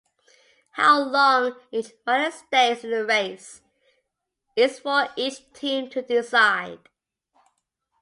How long each rider stays in the race is for each team to decide.